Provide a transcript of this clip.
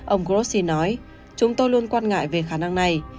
ông grossi nói chúng tôi luôn quan ngại về khả năng này